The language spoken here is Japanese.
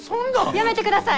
やめてください！